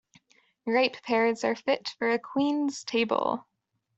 Ripe pears are fit for a queen's table.